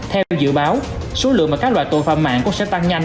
theo dự báo số lượng mà các loại tội phạm mạng cũng sẽ tăng nhanh